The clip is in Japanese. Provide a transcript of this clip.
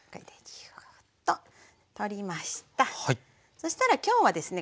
そしたら今日はですね